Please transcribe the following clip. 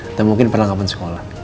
atau mungkin perlengkapan sekolah